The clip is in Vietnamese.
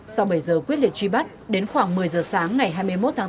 sau bảy giờ quyết liệt truy bắt đến khoảng một mươi giờ sáng ngày hai mươi một tháng tám